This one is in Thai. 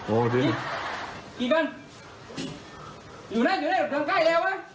โอ้ยย